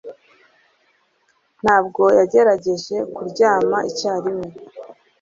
Ntabwo yagerageje kuryama icyarimwe